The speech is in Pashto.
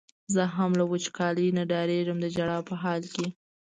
زه هم له وچکالۍ نه ډارېږم د ژړا په حال کې.